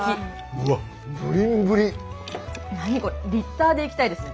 うわっ何これリッターでいきたいですね。